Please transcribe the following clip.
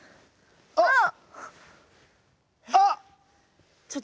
あっ！